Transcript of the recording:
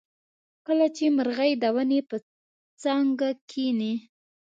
کله چې مرغۍ د ونې په څانګه کیني.